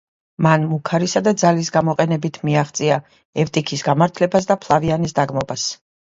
მან მუქარის და ძალის გამოყენებით მიაღწია ევტიქის გამართლებას და ფლავიანეს დაგმობას.